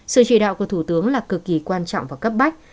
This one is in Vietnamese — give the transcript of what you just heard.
sự chỉ đạo của thủ tướng là cực kỳ quan trọng và cấp bách